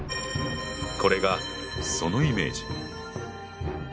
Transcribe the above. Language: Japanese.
これがそのイメージ。